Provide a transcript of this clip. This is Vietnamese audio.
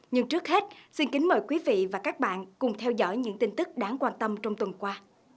nhưng trước hết xin kính mời quý vị và các bạn cùng theo dõi những tin tức đáng quan tâm trong tuần qua